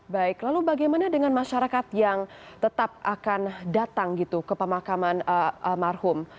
baik lalu bagaimana dengan masyarakat yang tetap akan datang gitu ke pemakaman almarhum